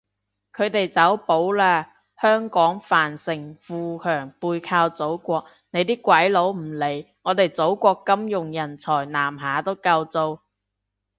佢哋走寶喇，香港繁盛富強背靠祖國，你啲鬼佬唔嚟，我哋祖國金融人才南下都夠做